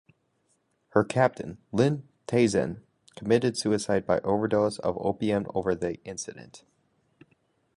Her captain, Lin Taizeng, committed suicide by overdose of opium over the incident.